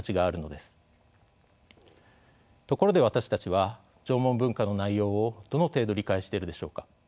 ところで私たちは縄文文化の内容をどの程度理解しているでしょうか？